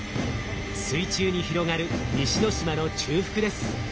水中に広がる西之島の中腹です。